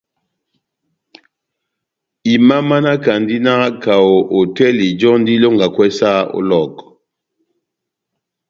Imamanakandi na kaho hotɛli jɔ́ndi ilongakwɛ saha ó Lɔhɔkɔ.